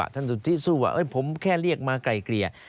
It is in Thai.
สุทธิสู้ว่าผมแค่เรียกมาไกลเกลี่ย